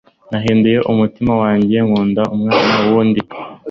Nahinduye umutima wanjye Nkunda umwana w'undi